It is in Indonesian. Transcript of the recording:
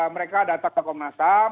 mereka datang ke komnasam